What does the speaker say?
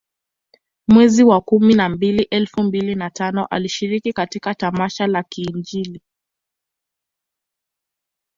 Mwezi wa kumi na mbili elfu mbili na tano alishiriki katika tamasha la kiinjili